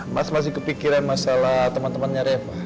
mas masih kepikiran masalah temen temennya reva